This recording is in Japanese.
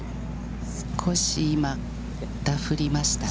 少し今、ダフりましたね。